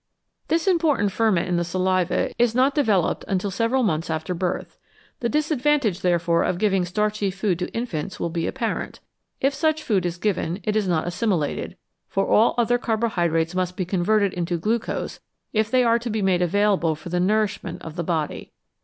This important ferment in the saliva is not developed until several months after birth ; the disadvantage, there fore, of giving starchy food to infants will be apparent. If such food is given it is not assimilated, for all other carbohydrates must be converted into glucose if they are to be made available for the nourishment of the body.